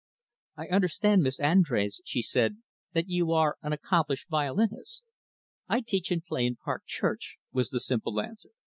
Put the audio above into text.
"I understand, Miss Andrés," she said, "that you are an accomplished violinist." "I teach and play in Park Church," was the simple answer.